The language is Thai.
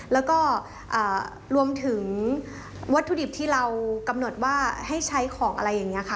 แล้วก็รวมถึงวัตถุดิบที่เรากำหนดว่าให้ใช้ของอะไรอย่างนี้ค่ะ